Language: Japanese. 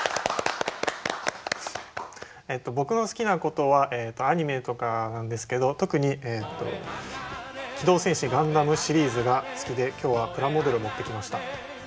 えっと僕の好きなことはアニメとかなんですけど特に「機動戦士ガンダム」シリーズが好きで今日はプラモデルを持ってきました。